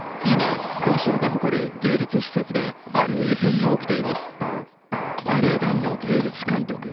今、ロシアが誇る芸術施設である異変が起きています。